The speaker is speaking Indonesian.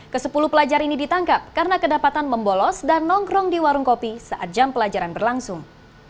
kesepuluh pelajar ini ditangkap karena kedapatan membolos dan nongkrong di warung kopi saat jam pelajaran berlangsung